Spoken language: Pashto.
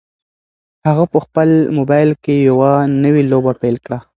هغه په خپل موبایل کې یوه نوې لوبه پیل کړه.